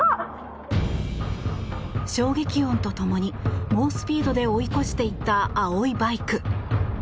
衝撃音とともに猛スピードで追い越していった青いバイク。